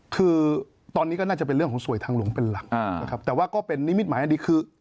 คือตอนนี้ก็น่าจะเป็นเรื่องของสวยทางหลวงเป็นหลักนะครับแต่ว่าก็เป็นนิมิตหมายอันดีคือ